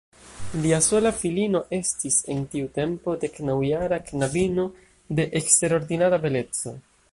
Lia sola filino estis en tiu tempo deknaŭjara knabino de eksterordinara beleco.